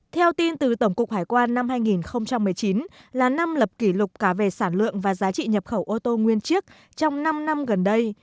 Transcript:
theo tin từ tổng cục hải quan năm hai nghìn một mươi chín là năm lập kỷ lục cả về sản lượng và giá trị nhập khẩu ô tô nguyên chiếc trong năm năm gần đây